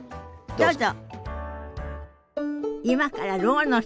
どうぞ。